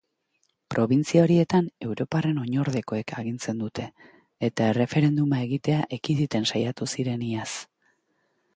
Probintzia horietan europarren oinordekoek agintzen dute eta erreferenduma egitea ekiditen saiatu ziren iaz.